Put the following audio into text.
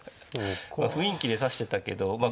雰囲気で指してたけどまあ